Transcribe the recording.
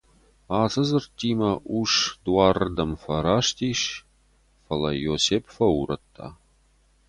Ацы дзырдтимӕ ус дуары ’рдӕм фӕраст ис, фӕлӕ йӕ Иосеб фӕурӕдта.